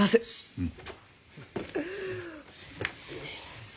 うん。